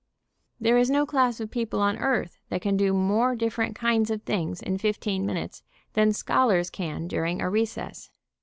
There is no class ., of people on earth l \ that can do more different kinds of things in fifteen minutes than scholars can dur ing a recess.